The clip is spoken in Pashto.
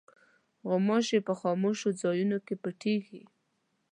غوماشې په خاموشو ځایونو کې پټېږي.